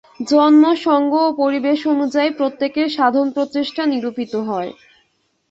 জন্ম, সঙ্গ ও পরিবেশ অনুযায়ী প্রত্যেকের সাধন-প্রচেষ্টা নিরূপিত হয়।